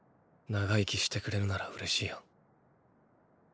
長生きしてくれるなら嬉しいよ。